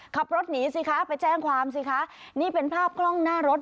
ขับรถหนีสิคะไปแจ้งความสิคะนี่เป็นภาพกล้องหน้ารถ